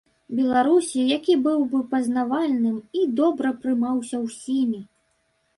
Беларусі, які быў бы пазнавальным і добра прымаўся ўсімі.